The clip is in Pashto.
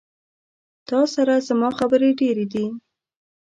تا سره زما خبري ډيري دي